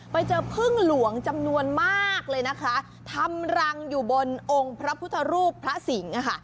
ไปเจอพึ่งหลวงจำนวนมากเลยนะคะทำรังอยู่บนองค์พระพุทธรูปพระสิงห์